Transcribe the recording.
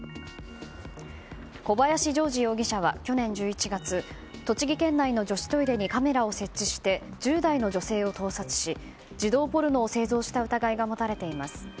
小林丈二容疑者は去年１１月栃木県内の女子トイレにカメラを設置して１０代の女性を盗撮し児童ポルノを製造した疑いが持たれています。